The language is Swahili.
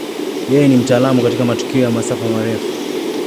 Yeye ni mtaalamu katika matukio ya masafa marefu.